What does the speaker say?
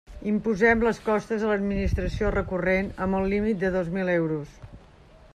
Imposem les costes a l'Administració recurrent, amb el límit de dos mil euros.